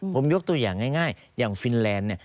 ผมยกตัวอย่างง่ายอย่างฟินแลนด์เนี่ย